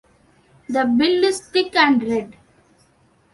The bill is thick and red.